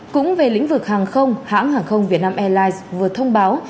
cũng về lĩnh vực hàng không hãng hàng không việt nam airlines vừa thông báo